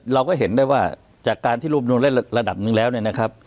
เราก็เห็นได้ว่าจากการที่รวบรวมเล่นระดับหนึ่งแล้วเนี่ยนะครับ